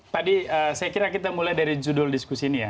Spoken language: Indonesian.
tadi saya kira kita mulai dari judul diskusi ini ya